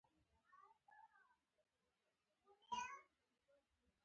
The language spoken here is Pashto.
پسونه له وزې څخه وغوښتل چې د خپلې خوښې فلم ورته وګوري.